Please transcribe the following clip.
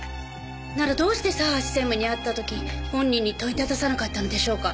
ならどうして佐橋専務に会った時本人に問いたださなかったのでしょうか？